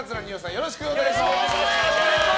よろしくお願いします。